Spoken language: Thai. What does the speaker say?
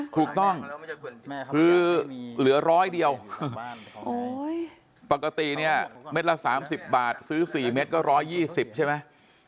ถูกต้องคือเหลือร้อยเดียวปกติเนี่ยเม็ดละ๓๐บาทซื้อ๔เม็ดก็๑๒๐ใช่ไหม